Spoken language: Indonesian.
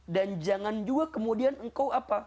dan jangan juga kemudian engkau apa